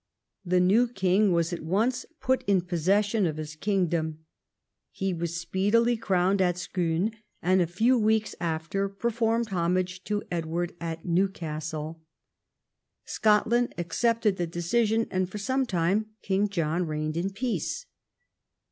The new king was at once put in possession of his king dom. He was speedily crowned at Scone, and, a few weeks after, performed homage to Edward at New castle. Scotland accei:)ted the decision, and for some time King John reigned in peace.